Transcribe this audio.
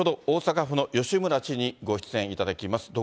大阪府の吉村知事にご出演いただきます。